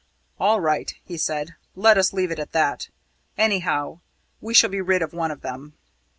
"All right," he said, "let us leave it at that. Anyhow, we shall be rid of one of them!"